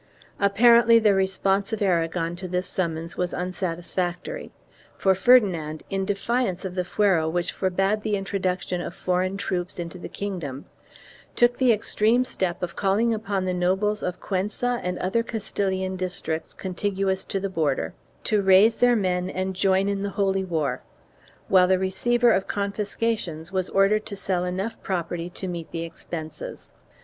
Apparently the response of Aragon to this summons was unsatis factory for Ferdinand, in defiance of the fuero which forbade the introduction of foreign troops into the kingdom, took the extreme step of calling upon the nobles of Cuenca and other Castilian dis tricts contiguous to the border, to raise their men and join in the holy war, while the receiver of confiscations was ordered to sell enough property to meet the expenses.